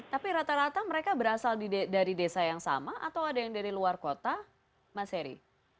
tapi rata rata mereka berasal dari desa yang sama atau ada yang dari luar kota mas heri